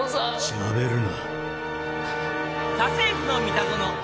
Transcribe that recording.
しゃべるな。